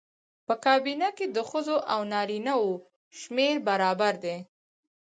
په کابینه کې د ښځو او نارینه وو شمېر برابر دی.